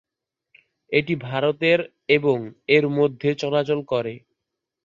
এটি ভারতের এবং এর মধ্যে চলাচল করে।